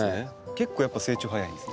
結構やっぱ成長早いんですね。